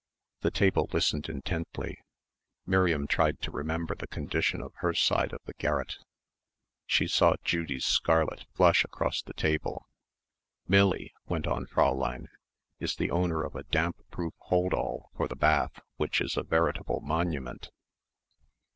The table listened intently. Miriam tried to remember the condition of her side of the garret. She saw Judy's scarlet flush across the table. "Millie," went on Fräulein, "is the owner of a damp proof hold all for the bath which is a veritable monument."